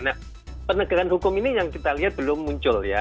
nah penegakan hukum ini yang kita lihat belum muncul ya